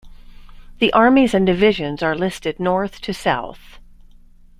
The armies and divisions are listed north to south.